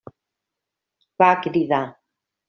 Va cridar.